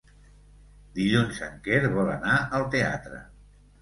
Dilluns en Quer vol anar al teatre.